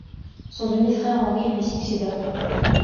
Son demi-frère Henri lui succéda.